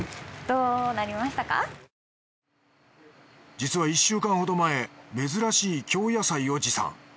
実は１週間ほど前珍しい京野菜を持参。